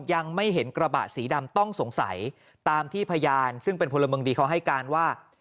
ยังไม่เห็นกระบะสีดำต้องสงสัยตามที่พยานซึ่งเป็นพลเมืองดีเขาให้การว่า